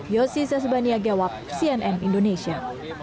yosi sesbania gewak cnn indonesia